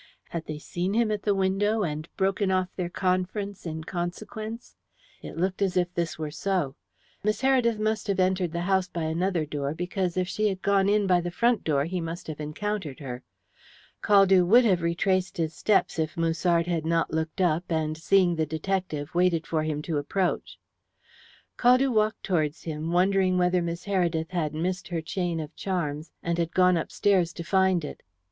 Had they seen him at the window, and broken off their conference in consequence? It looked as if this were so. Miss Heredith must have entered the house by another door, because if she had gone in by the front door he must have encountered her. Caldew would have retraced his steps if Musard had not looked up, and, seeing the detective, waited for him to approach. Caldew walked towards him, wondering whether Miss Heredith had missed her chain of charms, and had gone upstairs to find it.